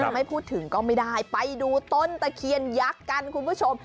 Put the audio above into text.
ไม่พูดถึงก็ไม่ได้ไปดูต้นตะเคียนยักษ์กันคุณผู้ชม